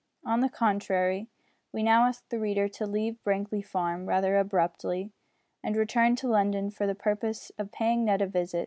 On the contrary, we now ask the reader to leave Brankly Farm rather abruptly, and return to London for the purpose of paying Ned a visit.